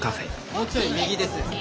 もうちょい右です。